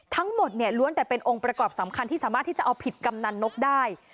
ทั้งหมดเนี่ยล้วนแต่เป็นองค์ประกอบสำคัญที่สามารถที่จะเอาผิดกำนันนกได้